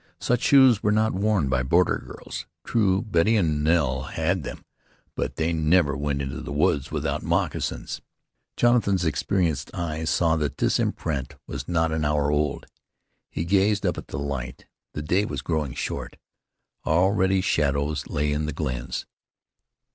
Such shoes were not worn by border girls. True Betty and Nell had them; but they never went into the woods without moccasins. Jonathan's experienced eye saw that this imprint was not an hour old. He gazed up at the light. The day was growing short. Already shadows lay in the glens.